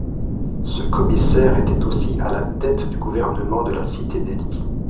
Ce commissaire était aussi à la tête du gouvernement de la cité d'Ely.